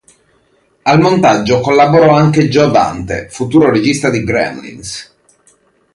Al montaggio collaborò anche Joe Dante, futuro regista di "Gremlins".